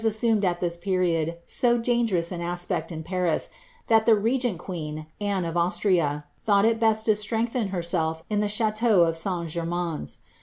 Public a&ira assumed, at this period, so dangerous an aspect Paris, that the regent queen, Anne of Austria, thought it best to nengthen herself in the ch&teau of St. Germains.